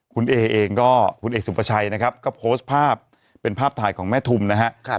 คุณเอกซุปไชยนะครับก็โพสต์ภาพเป็นภาพถ่ายของแม่ทุ่มนะฮะ